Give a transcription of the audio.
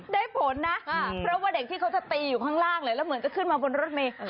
ได้ผลนะเพราะว่าเด็กที่เขาจะตีอยู่ข้างล่างเลยแล้วเหมือนจะขึ้นมาบนรถเมย์